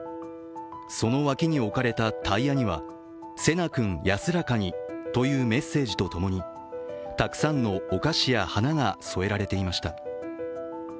その脇に置かれたタイヤには「成那くん安らかに」というメッセージと共にたくさんのお菓子や花が添えられていました。